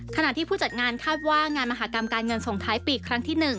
ขณะที่ผู้จัดงานคาดว่างานมหากรรมการเงินส่งท้ายปีกครั้งที่๑